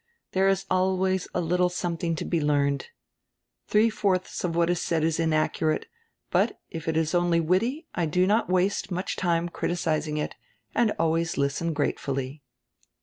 There is always a little something to he learned. Three fourdis of what is said is inaccurate, hut if it is only witty I do not waste much time criticising it and always listen gratefully."